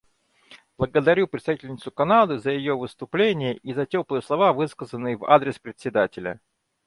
Благодарю представительницу Канады за ее выступление и за теплые слова, высказанные в адрес Председателя.